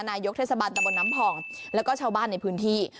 นายกเทศบาลตะบนน้ำผ่องแล้วก็ชาวบ้านในพื้นที่